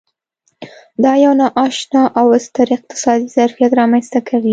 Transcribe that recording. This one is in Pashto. دا یو نا اشنا او ستر اقتصادي ظرفیت رامنځته کوي.